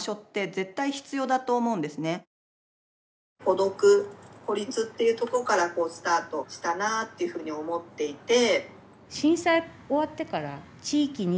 孤独孤立っていうとこからスタートしたなっていうふうに思っていて。